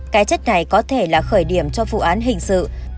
cái chất này có thể là khởi điểm cho vụ án hình sự